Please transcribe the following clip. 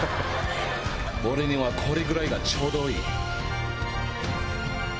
俺にはこれぐらいがちょうどいい。